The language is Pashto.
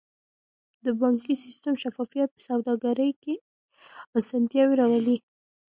د بانکي سیستم شفافیت په سوداګرۍ کې اسانتیاوې راولي.